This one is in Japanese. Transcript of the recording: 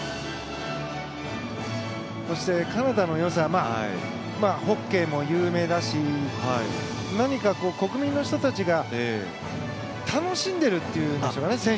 そして、カナダのよさホッケーも有名だし何か、国民の人たちが楽しんでるっていうんでしょうかね。